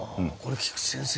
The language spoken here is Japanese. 菊地先生